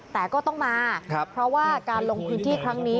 แต่ก็ต้องมาเพราะว่าการลงพื้นที่ครั้งนี้